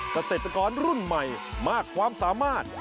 เกษตรกรรุ่นใหม่มากความสามารถ